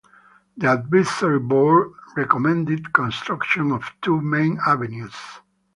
The Advisory Board recommended construction of two "Main Avenues".